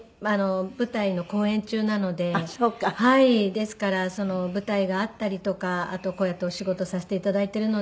ですから舞台があったりとかあとこうやってお仕事させて頂いているので。